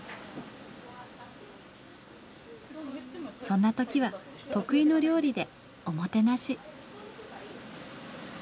そんなときは得意の料理でおもてなし。